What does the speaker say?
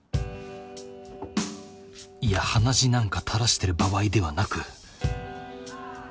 いや鼻血なんか垂らしてる場合ではなく。